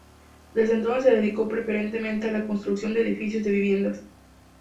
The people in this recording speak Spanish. Desde entonces se dedicó preferentemente a la construcción de edificios de viviendas.